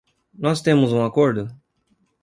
Nós temos um acordo?